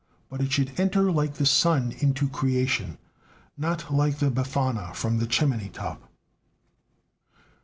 But it should enter like the sun into creation, not like the Befana from the chimney top.